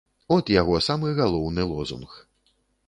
От яго самы галоўны лозунг.